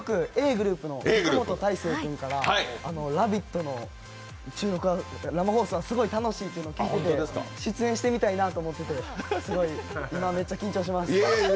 ｇｒｏｕｐの福本大晴君から「ラヴィット！」の生放送はすごく楽しいと聞いてて、出演してみたいなって思ってて、今めっちゃ緊張してます。